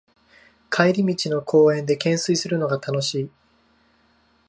帰り道の公園でけんすいするのが楽しい